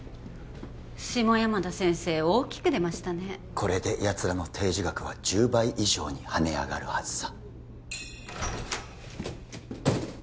これでやつらの提示額は１０倍以上にはね上がるはずさ